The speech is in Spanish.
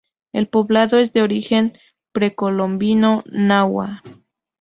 El poblado es de origen precolombino náhua.